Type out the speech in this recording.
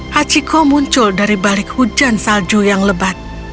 hachiko muncul dari balik hujan salju yang lebat